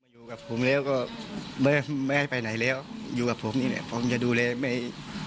อยู่กับผมแล้วก็ไม่ไม่ให้ไปไหนแล้วอยู่กับผมนี่แหละผมจะดูแลไม่